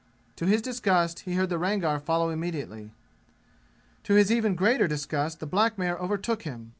To his disgust he heard the Rangar follow immediately. To his even greater disgust the black mare overtook him.